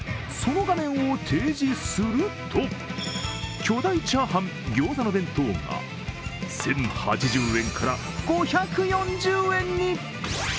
その画面を提示すると、巨大チャーハン・ギョーザの弁当が１０８０円から５４０円に。